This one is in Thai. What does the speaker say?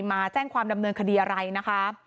มาแจ้งความดำเนินคดีอะไรนะคะ